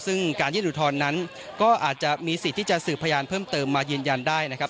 ซึ่งการยื่นอุทธรณ์นั้นก็อาจจะมีสิทธิ์ที่จะสืบพยานเพิ่มเติมมายืนยันได้นะครับ